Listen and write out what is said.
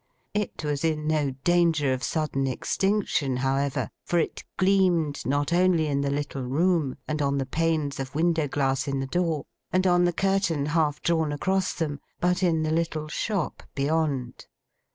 It was in no danger of sudden extinction, however; for it gleamed not only in the little room, and on the panes of window glass in the door, and on the curtain half drawn across them, but in the little shop beyond.